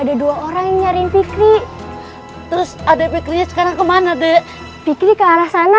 ada dua orang nyari fikri terus ada bikin sekarang kemana dek bikin ke arah sana